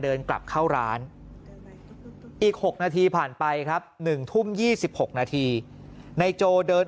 เดินกลับเข้าร้านอีก๖นาทีผ่านไปครับ๑ทุ่ม๒๖นาทีนายโจเดิน